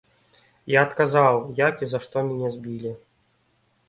Я адказаў, як і за што мяне збілі.